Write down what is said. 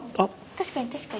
確かに確かに。